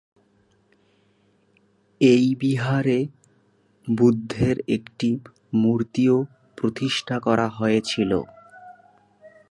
এই বিহারে বুদ্ধের একটি মূর্তিও প্রতিষ্ঠা করা হয়েছিল।